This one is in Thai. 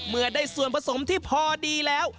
เมื่อได้ส่วนผสมที่พอดีแล้ว